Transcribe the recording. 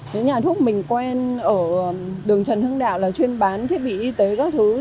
những nhà thuốc mình quen ở đường trần hưng đạo là chuyên bán thiết bị y tế các thứ